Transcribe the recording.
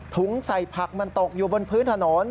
ใส่ผักมันตกอยู่บนพื้นถนน